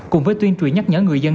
cùng với tuyên truyền nhắc nhớ người dân